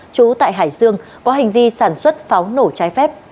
trú tại hải dương có hành vi sản xuất pháo nổ trái phép